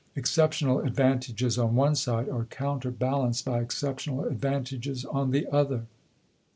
Exceptional advantages on one side are counterbalanced by exceptional advantages on the other.